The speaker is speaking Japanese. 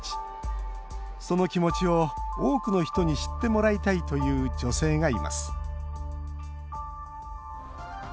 その気持ちを多くの人に知ってもらいたいという女性がいます